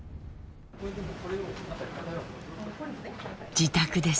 自宅です。